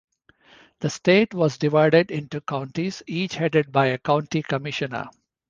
The state was divided into counties, each headed by a County Commissioner.